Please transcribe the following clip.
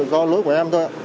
đó là lỗi của em thôi ạ